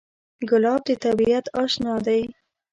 ګلاب د طبیعت اشنا دی.